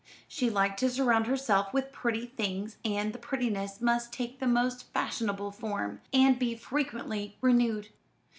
She liked to surround herself with pretty things; and the prettiness must take the most fashionable form, and be frequently renewed.